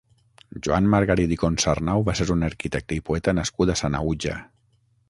Joan Margarit i Consarnau va ser un arquitecte i poeta nascut a Sanaüja.